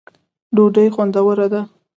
ډوډۍ خوندوره ده.